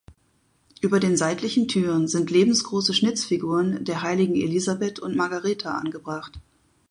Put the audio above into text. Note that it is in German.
Über den seitlichen Türen sind lebensgroße Schnitzfiguren der Heiligen Elisabeth und Margareta angebracht.